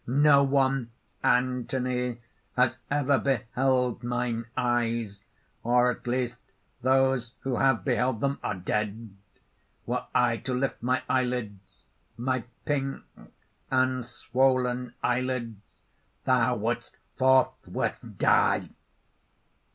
"No one, Anthony, has ever beheld mine eyes, or at least, those who have beheld them are dead. Were I to lift my eyelids my pink and swollen eyelids, thou wouldst forthwith die!"